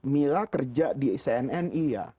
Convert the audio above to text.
mila kerja di cnn iya